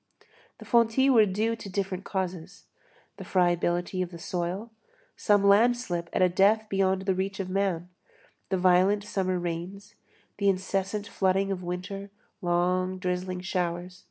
The fontis were due to different causes: the friability of the soil; some landslip at a depth beyond the reach of man; the violent summer rains; the incessant flooding of winter; long, drizzling showers.